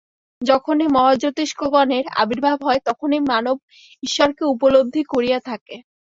যখনই মহাজ্যোতিষ্কগণের আবির্ভাব হয়, তখনই মানব ঈশ্বরকে উপলব্ধি করিয়া থাকে।